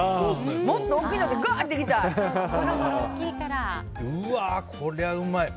もっと大きいのでガーっていきたい！